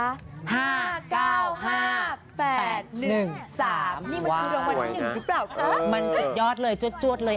นี่มันคือรางวัลที่๑หรือเปล่าคะมันสุดยอดเลยจวดเลย